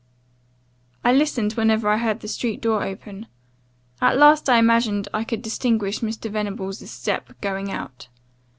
"I listened whenever I heard the street door open; at last I imagined I could distinguish Mr. Venables' step, going out.